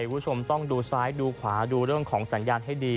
คุณผู้ชมต้องดูซ้ายดูขวาดูเรื่องของสัญญาณให้ดี